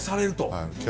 はい。